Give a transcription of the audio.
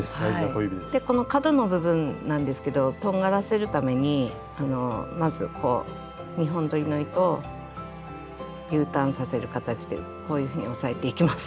でこの角の部分なんですけどとんがらせるためにまずこう２本どりの糸をＵターンさせる形でこういうふうに押さえていきます。